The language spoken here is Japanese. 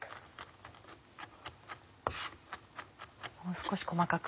もう少し細かく。